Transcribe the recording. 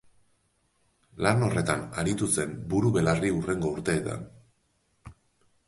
Lan horretan aritu zen buru-belarri hurrengo urteetan.